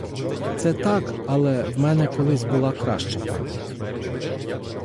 Це так, але в мене колись була краща пам'ять.